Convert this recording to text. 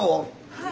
はい。